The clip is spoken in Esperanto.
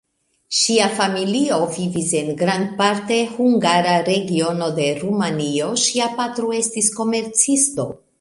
Ŝia familio vivis en grandparte hungara regiono de Rumanio; ŝia patro estis komercisto.